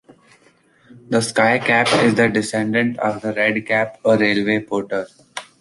The skycap is the descendant of the redcap, a railway porter.